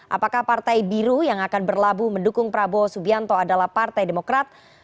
apakah partai biru yang akan berlabuh mendukung prabowo subianto adalah partai demokrat